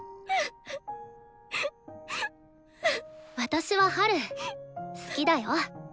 私はハル好きだよ。